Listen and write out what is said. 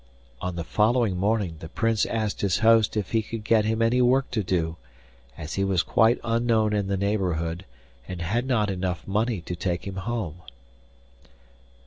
On the following morning the Prince asked his host if he could get him any work to do, as he was quite unknown in the neighbourhood, and had not enough money to take him home.